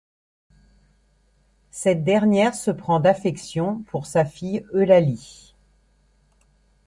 Cette dernière se prend d’affection pour sa fille Eulalie.